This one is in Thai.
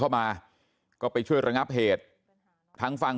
มาก็ไปช่วยเรียบรรยาการ